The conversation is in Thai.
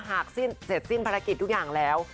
หากเสร็จสิ้นภารกิจทุกอย่างแล้ว